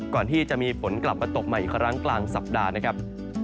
ก่อนที่จะมีฝนกลับมาตกใหม่อีกครั้งกลางสัปดาห์นะครับ